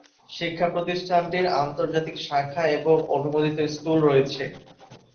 শিক্ষা প্রতিষ্ঠানটির আন্তর্জাতিক শাখা এবং অনুমোদিত স্কুল রয়েছে।